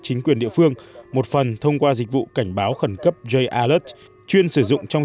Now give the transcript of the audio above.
chính quyền địa phương một phần thông qua dịch vụ cảnh báo khẩn cấp j alux chuyên sử dụng trong